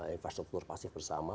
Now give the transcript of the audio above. infrastruktur pasif bersama